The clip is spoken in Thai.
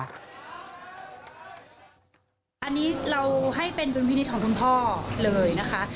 อันนี้เราให้เป็นดุลพินิษฐ์ของคุณพ่อเลยนะคะ